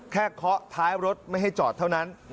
เคาะท้ายรถไม่ให้จอดเท่านั้น